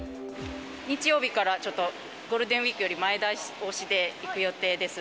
日曜日からちょっとゴールデンウィークより前倒しで行く予定です。